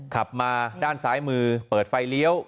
ขับมาด้านซ้ายมือเปิดไฟเลี้ยว